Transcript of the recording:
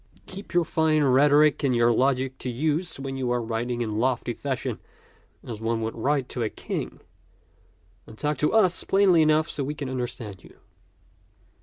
Keep your fine rhetoric and your logic to use when you are writing in lofty fashion as one would write to a king; and talk to us plainly enough so we can understand you."